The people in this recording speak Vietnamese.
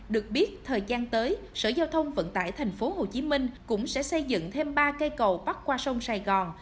được biết thời gian tới sở giao thông vận tải tp hcm cũng sẽ xây dựng thêm ba cây cầu bắc qua sông sài gòn